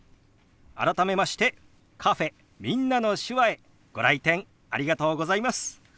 改めましてカフェ「みんなの手話」へご来店ありがとうございます。